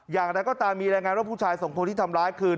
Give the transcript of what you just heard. อย่างไรก็ตามมีรายงานว่าผู้ชายสองคนที่ทำร้ายคืน